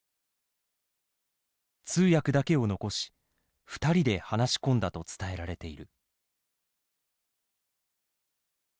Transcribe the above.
通訳だけを残し２人で話し込んだと伝えられている。